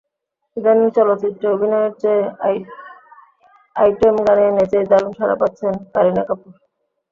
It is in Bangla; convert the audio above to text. ইদানীং চলচ্চিত্রে অভিনয়ের চেয়ে আইটেম গানে নেচেই দারুণ সাড়া পাচ্ছেন কারিনা কাপুর।